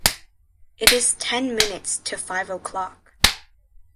It is ten minutes to five o’clock.